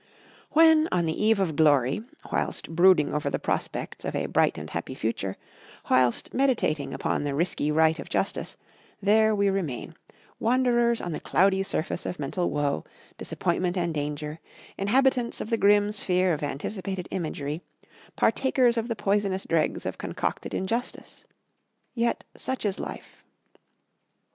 When on the eve of glory, whilst brooding over the prospects of a bright and happy future, whilst meditating upon the risky right of justice, there we remain, wanderers on the cloudy surface of mental woe, disappointment and danger, inhabitants of the grim sphere of anticipated imagery, partakers of the poisonous dregs of concocted injustice. Yet such is life.